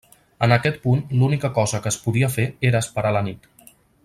En aquest punt l'única cosa que es podia fer era esperar la nit.